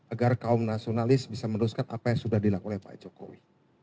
agar kaum nasionalis bisa meneruskan apa yang sudah dilakukan oleh pak jokowi